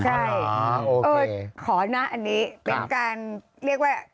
ใช่ขอนะอันนี้เป็นการเรียกว่า